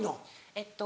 えっと